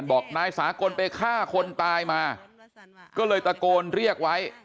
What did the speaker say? บอกนายสากลไปฆ่าคนตายมาก็เลยตะโกนเรียกไว้